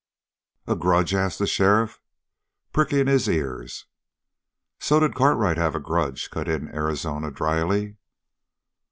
"A grudge?" asked the sheriff, pricking his ears. "So did Cartwright have a grudge," cut in Arizona dryly.